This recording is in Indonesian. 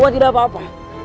uak tidak apa apa